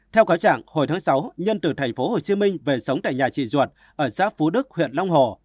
theo cáo chẳng hồi tháng sáu nhân từ tp hcm về sống tại nhà trị ruột ở giáp phú đức huyện long hồ